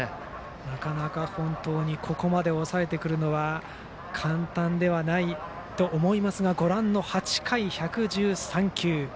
なかなかここまで抑えてくるのは簡単ではないと思いますが８回１１３球。